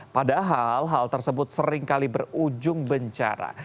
padahal hal tersebut seringkali berujung bencana